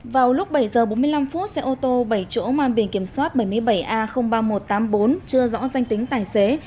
vào lúc bảy h bốn mươi năm xe ô tô bảy chỗ mang biển kiểm soát bảy mươi bảy a ba nghìn một trăm tám mươi bốn chưa rõ danh tính tài xế